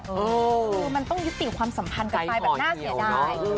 คือมันต้องยุติความสัมพันธ์กันไปแบบน่าเสียดาย